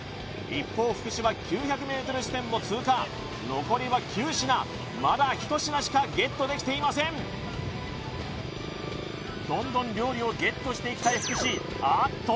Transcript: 一方福士は９００ｍ地点を通過残りは９品まだ１品しかゲットできていませんどんどん料理をゲットしていきたい福士あっと